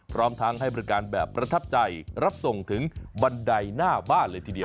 พร้อมทั้งให้บริการแบบประทับใจรับส่งถึงบันไดหน้าบ้านเลยทีเดียว